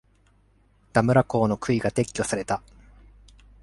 ダムラ港の杭が撤去された。